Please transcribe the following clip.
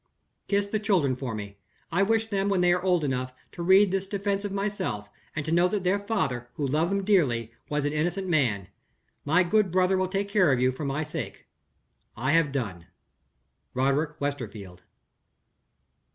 "Kiss the children for me. I wish them, when they are old enough, to read this defense of myself and to know that their father, who loved them dearly, was an innocent man. My good brother will take care of you, for my sake. I have done. "RODERICK WESTERFIELD."